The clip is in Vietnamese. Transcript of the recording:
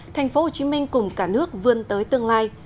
thành phố hồ chí minh cùng cả nước vươn tới tương lai